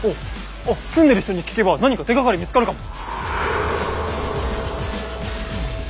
あっ住んでる人に聞けば何か手がかり見つかるかも。